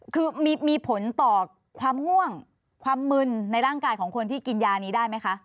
คือมีผลต่อความง่วงความมึนในร่างกายของคนที่กินยานี้ได้ไหมคะ